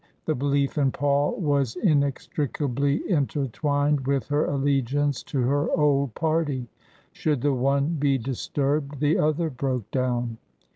The belief in Paul was inextricably intertwined with her allegiance to her old party ; should the one be disturbed, the other broke down.